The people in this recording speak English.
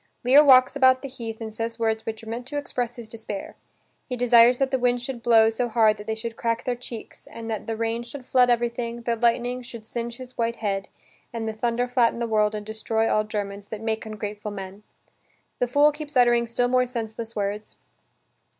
Lear walks about the heath and says words which are meant to express his despair: he desires that the winds should blow so hard that they should crack their cheeks and that the rain should flood everything, that lightning should singe his white head, and the thunder flatten the world and destroy all germens "that make ungrateful man!" The fool keeps uttering still more senseless words.